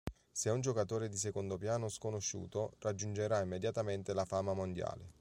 Se è un giocatore di secondo piano o sconosciuto raggiungerà immediatamente la fama mondiale.